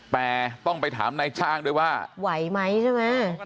แต่ต้องไปถามนายจ้างด้วยว่าไหวไหมใช่ไหม